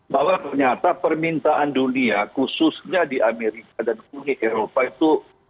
bahwa ternyata permintaan dunia khususnya di amerika dan uni eropa itu